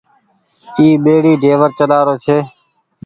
اي ٻيڙي ڊيور چلآ رو ڇي۔